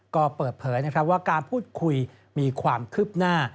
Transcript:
ก็เปิดเผยนะครับว่าการพูดคุยมีความคืบหน้า